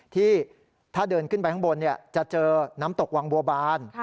ที่ถ้าเดินขึ้นไปข้างบนจะเจอน้ำตกวังบัวบาน